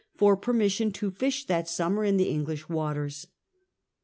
for permission to fish that summer in the English waters.